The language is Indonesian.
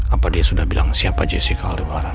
apa dia sudah bilang siapa jesse ke al debaran